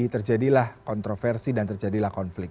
terjadilah kontroversi dan terjadilah konflik